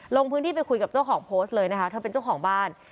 ลงพื้นที่ไปคุยกับเจ้าของโพสต์เลยนะคะเธอเป็นเจ้าของบ้าน